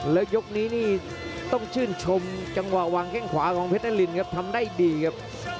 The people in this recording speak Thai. แล้วยกนี้นี่ต้องชื่นชมจังหวะวางแข้งขวาของเพชรนารินครับทำได้ดีครับ